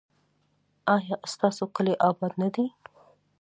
ایا ستاسو کلی اباد نه دی؟